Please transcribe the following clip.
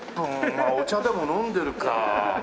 まあお茶でも飲んでるか。